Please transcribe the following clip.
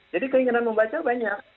jadi keinginan membaca banyak